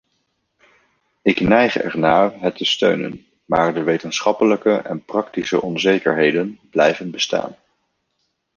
Ik neig ernaar het te steunen, maar de wetenschappelijke en praktische onzekerheden blijven bestaan.